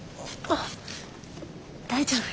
大丈夫？